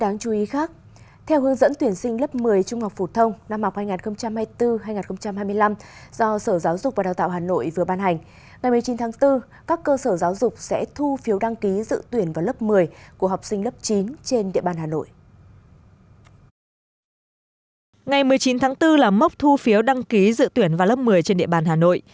ngày một mươi chín tháng bốn là mốc thu phiếu đăng ký dự tuyển vào lớp một mươi trên địa bàn hà nội